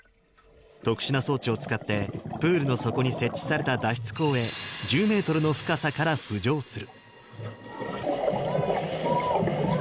特殊な装置を使って、プールの底に設置された脱出口へ、１０メートルの深さから浮上する。